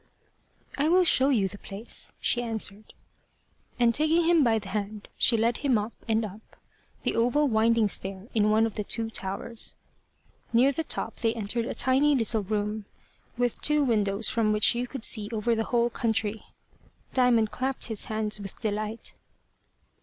"I will show you the place," she answered; and taking him by the hand, she led him up and up the oval winding stair in one of the two towers. Near the top they entered a tiny little room, with two windows from which you could see over the whole country. Diamond clapped his hands with delight.